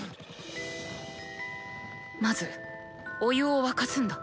まずお湯を沸かすんだ！